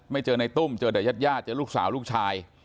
เจอในตุ้มเจอแต่ญาติญาติเจอลูกสาวลูกชาย